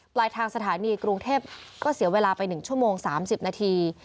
ปลายทางสถานีกรุงเทพก็เสียเวลาไป๑ชั่วโมง๓๐นาที